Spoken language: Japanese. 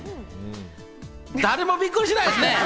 誰もびっくりしないですね。